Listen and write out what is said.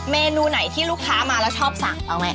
เมนูไหนที่ลูกค้ามาแล้วชอบสั่งเอาไง